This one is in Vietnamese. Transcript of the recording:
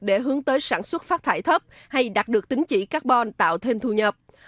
để hướng tới sản xuất phát thải thấp hay đạt được tính chỉ carbon tạo thêm thu nhập